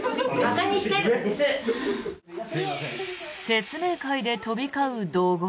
説明会で飛び交う怒号。